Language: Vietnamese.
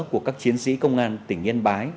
của các chiến sĩ công an tỉnh yên bái